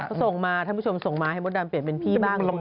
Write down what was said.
เขาส่งมาท่านผู้ชมส่งมาให้มดดำเปลี่ยนเป็นพี่บ้าง